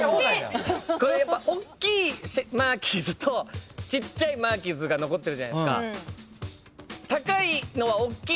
これやっぱおっきいマーキーズとちっちゃいマーキーズが残ってるじゃないですか。